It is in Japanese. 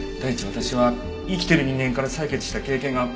私は生きてる人間から採血した経験が。